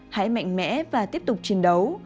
hãy mạnh mẽ và tiếp tục chiến đấu